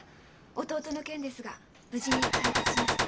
弟の件ですが無事に解決しました。